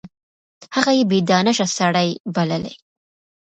هغه یې بې دانشه سړی بللی.